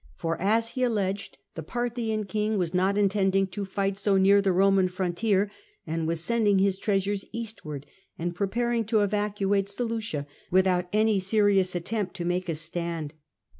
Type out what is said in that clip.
For, as he alleged, the Parthian king was not intending to fight so near the Roman frontier, and was sending his treasures eastward and preparing to evacuate Seleucia without any serious attempt to make a stand.